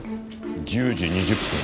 「１０時２０分」